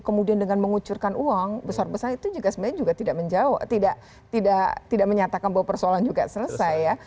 kemudian dengan mengucurkan uang besar besar itu juga sebenarnya juga tidak menjawab tidak menyatakan bahwa persoalan juga selesai ya